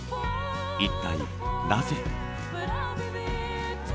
一体なぜ？